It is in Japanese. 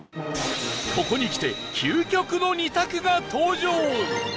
ここにきて究極の２択が登場